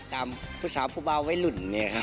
พูดจากผู้สาวผู้บาวไว้หลุ่น